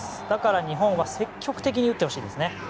だから日本は積極的に打ってほしいです。